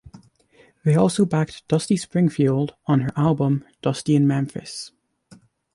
They also backed Dusty Springfield on her album "Dusty in Memphis".